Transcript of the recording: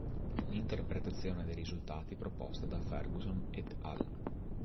L'interpretazione del risultati proposta da Ferguson "et al.